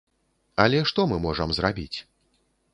Але што мы можам зрабіць?